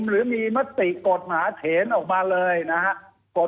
หรือมีมติกฎหมายเถนออกมาเลยนะครับ